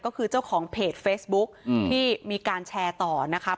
ก็คือเจ้าของเพจเฟซบุ๊คที่มีการแชร์ต่อนะคะ